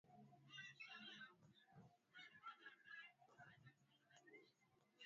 malaika jibril alimwuliza mtume muhammad kuwa uislamu ni nini